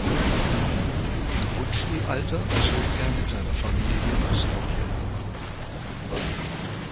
Im Grundschulalter zog er mit seiner Familie nach Skopje.